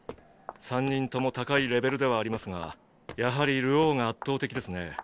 三人とも高いレベルではありますがやはり流鶯が圧倒的ですね。